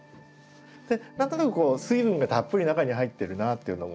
何となくこう水分がたっぷり中に入ってるなっていうのも。